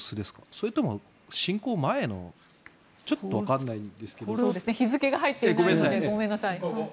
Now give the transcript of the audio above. それとも侵攻前のちょっとわからないんですが。